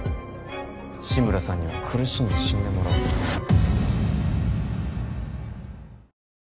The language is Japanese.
志村さんには苦しんで死んでもらおうああっ！